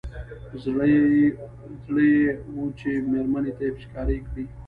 زړه يې و چې مېرمنې ته يې پېچکاري کړي.